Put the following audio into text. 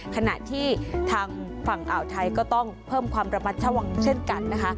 ขณะที่ทางฝั่งอ่าวไทยก็ต้องเพิ่มความระมัดระวังเช่นกันนะคะ